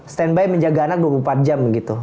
stand by menjaga anak dua puluh empat jam gitu